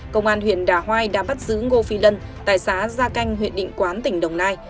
công an huyện đà hoai đã bắt giữ ngô phi lân tại xã gia canh huyện định quán tỉnh đồng nai